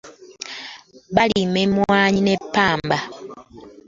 Balima emmwanyi ne ppamba.